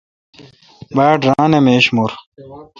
باڑ ران اہ میش مور۔